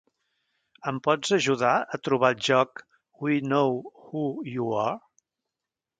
Em pots ajudar a trobar el joc "We No Who U R"?